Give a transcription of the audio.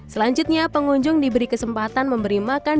selanjutnya pengunjung diberi kesempatan memberi makan